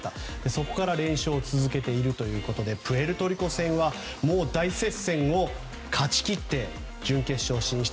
そこから連勝を続けているということでプエルトリコ戦は大接戦を勝ち切って準決勝進出。